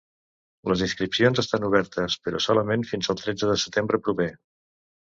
Les inscripcions estan obertes però solament fins el tretze de desembre proper.